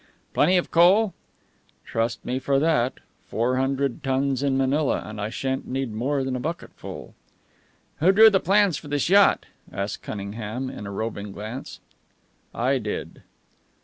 "Plenty of coal?" "Trust me for that. Four hundred tons in Manila, and I shan't need more than a bucketful." "Who drew the plans for this yacht?" asked Cunningham, with a roving glance. "I did."